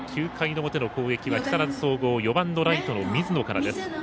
９回の表の攻撃は木更津総合４番のライトの水野からです。